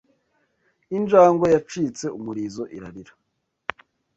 Injangwe yacitse umurizo irarira